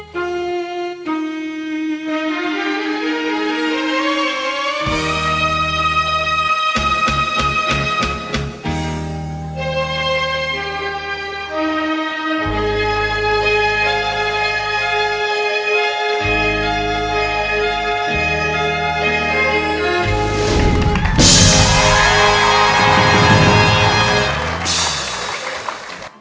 สวัสดีครับ